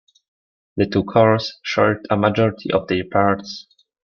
The two cars shared a majority of their parts.